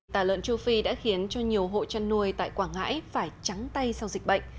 tà lợn châu phi đã khiến cho nhiều hộ chăn nuôi tại quảng ngãi phải trắng tay sau dịch bệnh